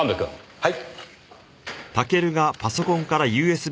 はい。